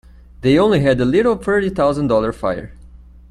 They only had a little thirty thousand dollar fire.